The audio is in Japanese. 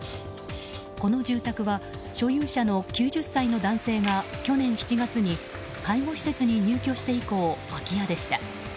この住宅は所有者の９０歳の男性が去年７月に介護施設に入居して以降、空き家でした。